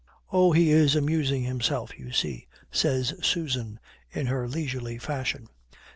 '" "Oh, he is amusing himself, you see," says Susan, in her leisurely fashion.